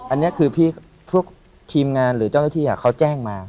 อันนี้คือพวกทีมงานหรือเจ้าหน้าที่เขาแจ้งมา